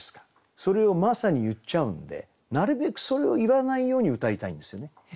それをまさに言っちゃうんでなるべくそれを言わないようにうたいたいんですよね。